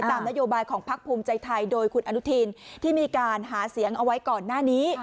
ตามนโยบายของพักภูมิใจไทยโดยคุณอนุทินที่มีการหาเสียงเอาไว้ก่อนหน้านี้